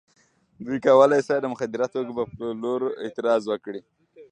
دوی کولای شوای د مخدره توکو په پلور اعتراض وکړي.